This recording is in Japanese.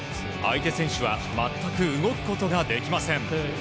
相手選手は全く動くことができません。